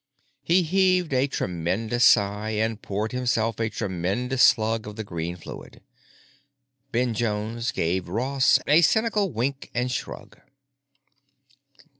He heaved a tremendous sigh and poured himself a tremendous slug of the green fluid. Ben Jones gave Ross a cynical wink and shrug.